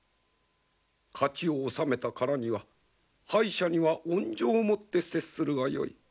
勝ちを収めたからには敗者には恩情をもって接するがよい。